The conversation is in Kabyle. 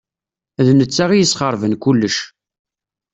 D netta i yesxeṛben kullec.